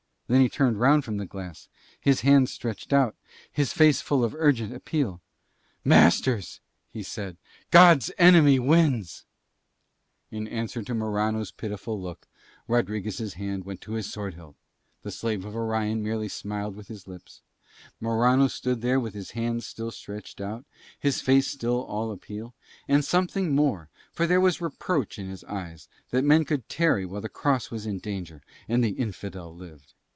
Then he turned round from the glass, his hands stretched out, his face full of urgent appeal. "Masters," he said, "God's enemy wins!" In answer to Morano's pitiful look Rodriguez' hand went to his sword hilt; the Slave of Orion merely smiled with his lips; Morano stood there with his hands still stretched out, his face still all appeal, and something more for there was reproach in his eyes that men could tarry while the Cross was in danger and the Infidel lived.